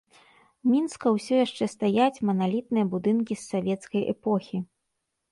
Мінска ўсё яшчэ стаяць маналітныя будынкі з савецкай эпохі.